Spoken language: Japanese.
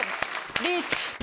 リーチ。